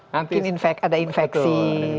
mungkin ada infeksi